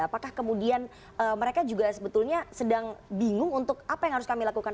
apakah kemudian mereka juga sebetulnya sedang bingung untuk apa yang harus kami lakukan